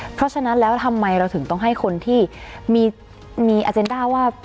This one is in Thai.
เพราะฉะนั้นแล้วทำไมเราถึงต้องให้คนที่มีอาเจนด้าว่า